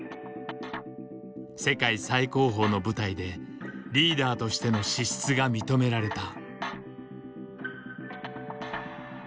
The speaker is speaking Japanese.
世界最高峰の舞台でリーダーとしての資質が認められた。